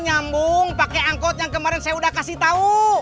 nyambung pake angkot yang kemarin saya udah kasih tau